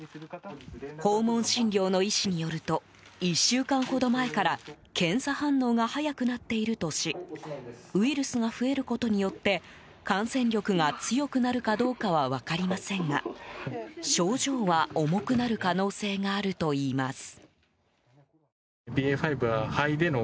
訪問診療の医師によると１週間ほど前から検査反応が早くなっているとしウイルスが増えることによって感染力が強くなるかどうかは分かりませんが症状は重くなる可能性があるといいます。